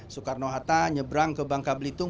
soekarno hatta nyebrang ke bangka belitung